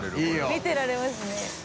見てられますね。